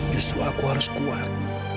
justru aku harus kuat